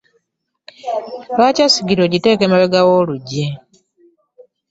Lwaki esigiri ogiteeka emabega g'oluggi?